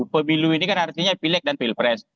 pemilu ini kan artinya pileg dan pilpres